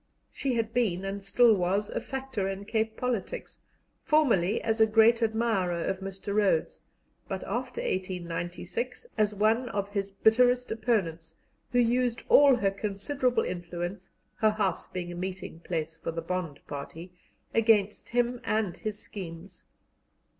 She had been, and still was, a factor in Cape politics, formerly as a great admirer of Mr. Rhodes, but after 1896 as one of his bitterest opponents, who used all her considerable influence her house being a meeting place for the Bond party against him and his schemes.